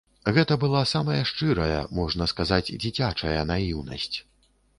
Гэта была самая шчырая, можна сказаць, дзіцячая наіўнасць.